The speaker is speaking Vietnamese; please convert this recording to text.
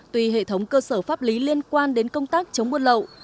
tùy hệ thống cơ sở pháp lý liên quan đến công tác chống buôn lậu